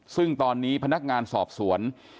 ซึ่งตอนนี้พนักงานสอบสวน